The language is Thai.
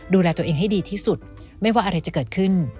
ดูแลตัวเองให้ดีที่สุดไม่ว่าอะไรจะเกิดขึ้น